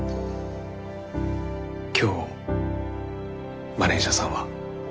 今日マネージャーさんは？